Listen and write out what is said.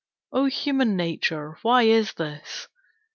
O human nature, why is this?